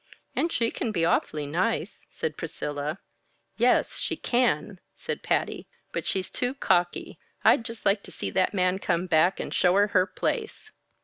"And she can be awfully nice," said Priscilla. "Yes, she can," said Patty. "But she's too cocky. I'd just like to see that man come back, and show her her place!"